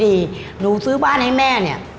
ถ้าคุณซื้อบ้านให้แม่นะ